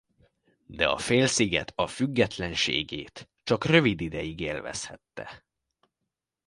De a félsziget a függetlenségét csak rövid ideig élvezhette.